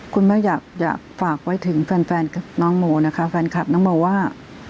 คุณแม่อยากฝากไว้ถึงแฟนกับน้องโมนะคะแฟนคลับน้องโมว่า